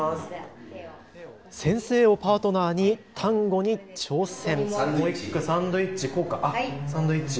先生をパートナーにタンゴに挑戦。